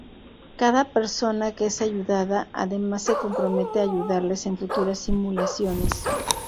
Cada persona que es ayudada además se compromete a ayudarles en futuras simulaciones.